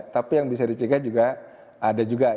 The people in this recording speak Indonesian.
tapi yang bisa dicegah juga ada juga